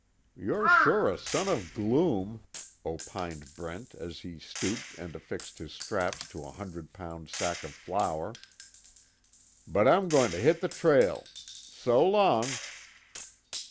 "You're sure a son of gloom," opined Brent as he stooped and affixed his straps to a hundred pound sack of flour. "But I'm going to hit the trail. So long."